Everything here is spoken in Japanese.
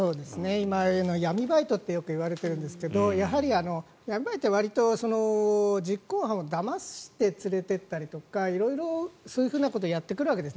今、闇バイトとよく言われてるんですけどやはり闇バイトは、わりと実行犯をだまして連れていったりとか色々、そういうふうなことをやってくるわけです。